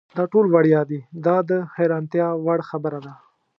دا ټول وړیا دي دا د حیرانتیا وړ خبره ده.